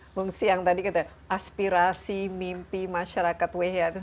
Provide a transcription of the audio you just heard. mbak siang tadi kata aspirasi mimpi masyarakat wehiya